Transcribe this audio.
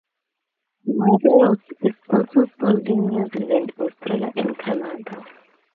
"Warriors" is also sold in New Zealand, Australia, and Canada.